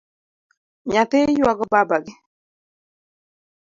Nyathi yuago babagi?